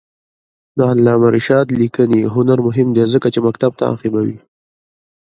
د علامه رشاد لیکنی هنر مهم دی ځکه چې مکتب تعقیبوي.